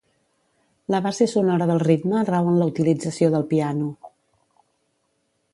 La base sonora del ritme rau en la utilització del piano.